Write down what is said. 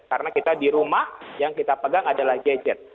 karena kita di rumah yang kita pegang adalah gadget